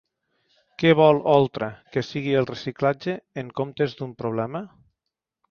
Què vol Oltra que sigui el reciclatge en comptes d'un problema?